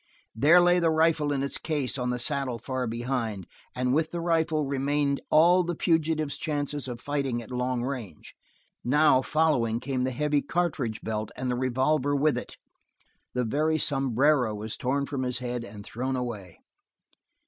There lay the rifle in its case on the saddle far behind. And with the rifle remained all the fugitive's chances of fighting at long range. Now, following, came the heavy cartridge belt and the revolver with it. The very sombrero was torn from his head and thrown away.